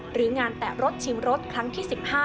หรืองานแตะรถชิมรถครั้งที่๑๕